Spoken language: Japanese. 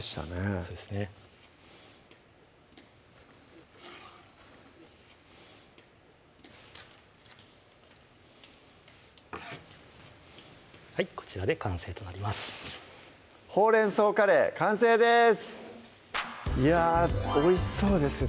そうですねはいこちらで完成となります「ほうれん草カレー」完成ですいやおいしそうですね